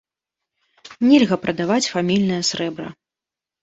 Нельга прадаваць фамільнае срэбра.